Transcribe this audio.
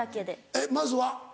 えっまずは？